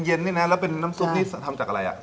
เย็นนี่นะแล้วเป็นน้ำซุปนี่ทำจากอะไรอ่ะ